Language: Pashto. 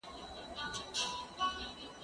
ته ولي سفر کوې،